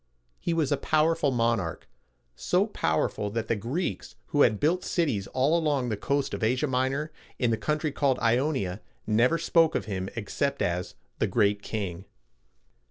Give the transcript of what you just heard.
He was a powerful monarch, so powerful that the Greeks, who had built cities all along the coast of Asia Minor, in the country called Ionia, never spoke of him except as "The Great King."